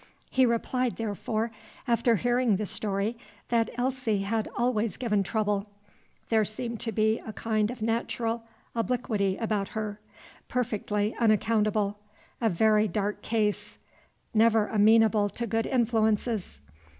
He replied, therefore, after hearing the story, that Elsie had always given trouble. There seemed to be a kind of natural obliquity about her. Perfectly unaccountable. A very dark case. Never amenable to good influences.